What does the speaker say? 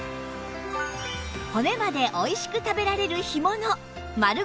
骨までおいしく食べられる干物まる